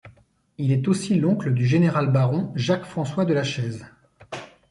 Il est aussi l'oncle du général-baron Jacques François de La Chaise.